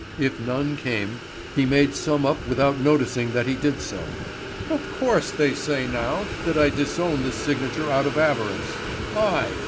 If none came, he made some up without noticing that he did so. "Of course they say now that I disown this signature out of avarice. I!